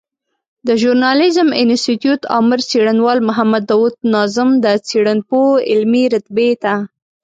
د ژورناليزم انستيتوت آمر څېړنوال محمد داود ناظم د څېړنپوه علمي رتبې ته